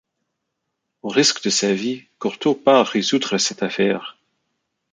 Au risque de sa vie, Corto part résoudre cette affaire.